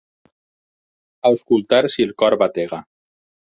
Auscultar si el cor batega.